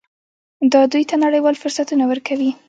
دا دوی ته نړیوال فرصتونه ورکوي.